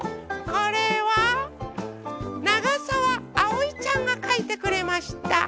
これはながさわあおいちゃんがかいてくれました。